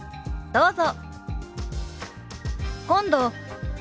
どうぞ。